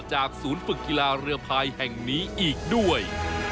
จากศูนย์ฝึกกีฬาเรือพายแห่งนี้อีกด้วย